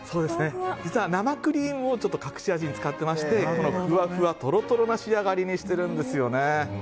実は生クリームを隠し味に使っていましてふわふわトロトロな仕上がりにしているんですね。